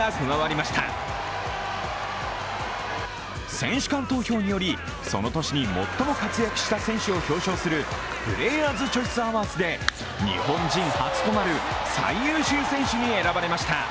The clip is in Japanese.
選手間投票によりその年に最も活躍した選手を表彰するプレーヤーズ・チョイス・アワーズで日本人初となる最優秀選手に選ばれました。